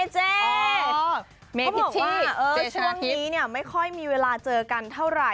เขาบอกว่าช่วงนี้ไม่ค่อยมีเวลาเจอกันเท่าไร